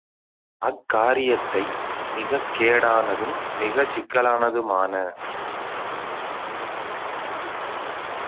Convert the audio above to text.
அக் காரியத்தை மிகக் கேடானதும் மிகச் சிக்கலானதுமான